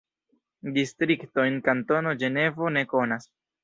Distriktojn Kantono Ĝenevo ne konas.